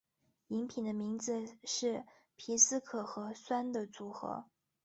饮品的名字是皮斯可和酸的组合。